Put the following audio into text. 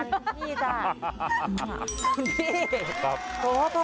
ทุกข้าทุกข้าทุกข้าทุกข้า